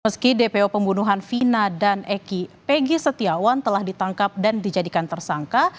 meski dpo pembunuhan vina dan pegi setiawan telah ditangkap dan dijadikan tersangka